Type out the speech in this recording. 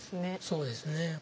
そうですね。